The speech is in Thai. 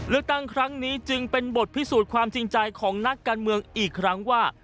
เลือกตั้งครั้งนี้จึงเป็นบทพิสูจน์ความจริงใจของนักการเมืองอีกครั้งว่า